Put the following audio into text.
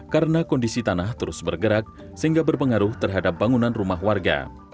karena kondisi tanah terlalu keras